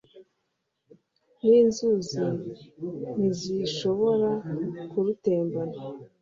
n’inzuzi ntizishobora kurutembana